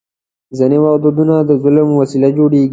ځینې وخت دودونه د ظلم وسیله جوړېږي.